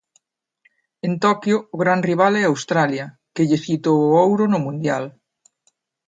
En Toquio o gran rival é Australia, que lles quitou o ouro no Mundial.